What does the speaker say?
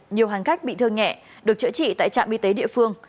nhiều hành khách bị thương nhẹ được chữa trị tại trạm y tế địa phương